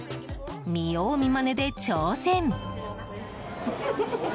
見よう見まねで挑戦。